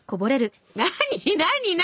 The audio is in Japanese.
何？